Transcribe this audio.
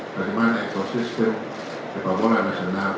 bagaimana ekosistem sepak bola nasional